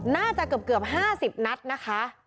น่าจะเกือบ๕๐นัดนะคะ